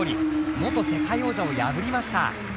元世界王者を破りました。